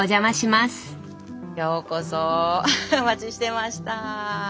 ようこそお待ちしてました。